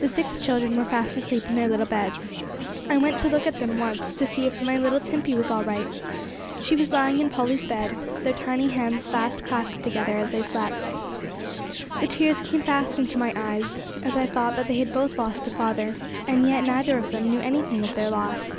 The six children were fast asleep in their little beds. I went to look at them once, to see if my little Timpey was all right; she was lying in little Polly's bed, their tiny hands fast clasped together as they slept. The tears came fast into my eyes, as I thought that they both had lost a father, and yet neither of them knew anything of their loss!